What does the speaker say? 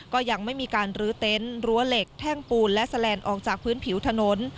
ก็ยังไม่มีการลื้อเต็นต์รั้วเหล็กแท่งปูนและแลนด์ออกจากพื้นผิวถนน